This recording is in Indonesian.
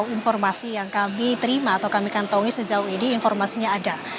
informasi yang kami terima atau kami kantongi sejauh ini informasinya ada